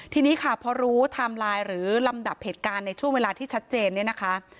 ทีนี้ค่ะพอรู้ไทม์ไลน์หรือลำดับเหตุการณ์ในช่วงเวลาที่ชัดเจนเนี่ยนะคะ